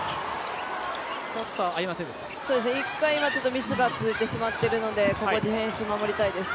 ミスが続いてしまっているのでここディフェンス守りたいです。